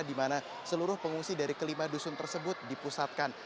dimana seluruh pengungsi dari kelima dusun tersebut dipusatkan